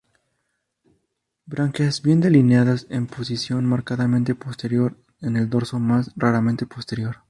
Branquias bien delineadas, en posición marcadamente posterior en el dorso, más raramente posterior.